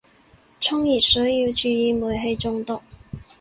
沖熱水要注意煤氣中毒